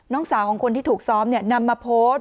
น้องสาวของคนที่ถูกซ้อมนำมาโพสต์